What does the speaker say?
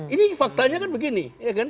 ini faktanya kan begini